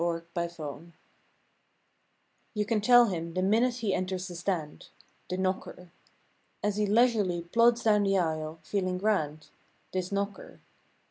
THE KNOCKER You can tell him the minute he enters the stand— The knocker. As he leisurely plods down the aisle—feeling grand. This knocker.